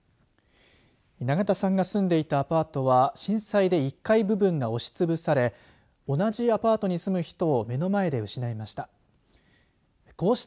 永田さんが住んでいたアパートは震災で１階部分が押しつぶされ同じアパートに住む人を目の前で失いました。